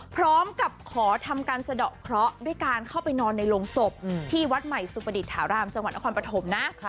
พร้อมกับขอทำการสะดอกเคราะห์ด้วยการเข้าไปนอนในโรงศพที่วัดใหม่สุปดิษฐารามจังหวัดนครปฐมนะ